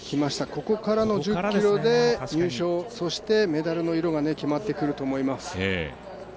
ここからの１０ｋｍで優勝、そしてメダルの色が決まってくると思います。